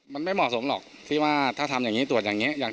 มันไม่เหมาะสมหรอกที่ว่าถ้าทำอย่างนี้ตรวจอย่างนี้